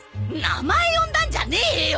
名前呼んだんじゃねえよ！